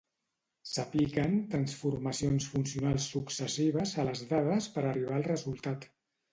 S'apliquen transformacions funcionals successives a les dades per arribar al resultat.